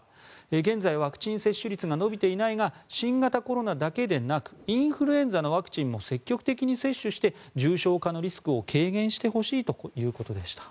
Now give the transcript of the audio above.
現在ワクチン接種率が伸びていないが新型コロナだけでなくインフルエンザのワクチンも積極的に接種して重症化のリスクを軽減してほしいということでした。